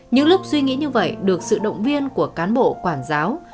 những lúc suy nghĩ như vậy được sự động viên của cán bộ quản giáo